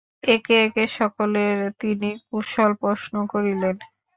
একে একে সকলের তিনি কুশল প্রশ্ন করিলেন।